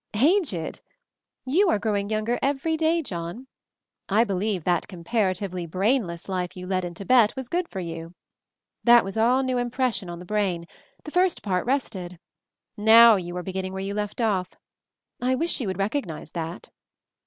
"Aged I You are growing younger every day, John. I believe that comparatively brainless life you led in Tibet was good for you. That was all new impression on the brain; the first part rested. Now you are beginning where you left off. I wish you would recognize that."